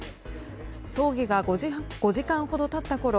葬儀が５時間ほど経ったころ